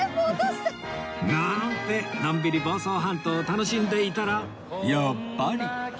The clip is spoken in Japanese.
なんてのんびり房総半島を楽しんでいたらやっぱり